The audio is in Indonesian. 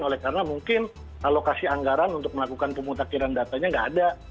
yang tidak melakukan pemutakiran oleh karena mungkin alokasi anggaran untuk melakukan pemutakiran datanya nggak ada